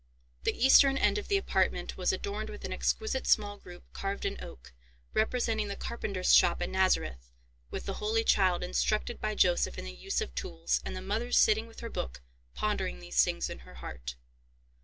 The eastern end of the apartment was adorned with an exquisite small group carved in oak, representing the carpenter's shop at Nazareth, with the Holy Child instructed by Joseph in the use of tools, and the Mother sitting with her book, "pondering these things in her heart."